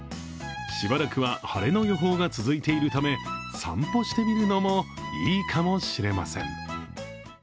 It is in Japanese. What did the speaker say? しばらくは晴れの予報が続いているため、散歩してみるのもいいかもしれません。